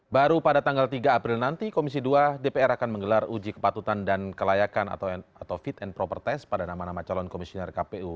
baru pada tanggal tiga april nanti komisi dua dpr akan menggelar uji kepatutan dan kelayakan atau fit and proper test pada nama nama calon komisioner kpu